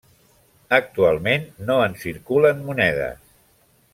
Actualment no en circulen monedes.